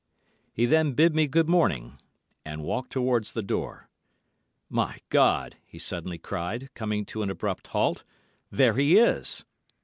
He then bid me good morning and walked towards the door. 'My God!' he suddenly cried, coming to an abrupt halt, 'there he is!